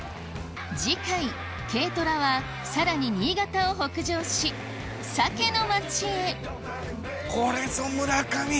次回軽トラはさらに新潟を北上しサケの町へこれぞ村上。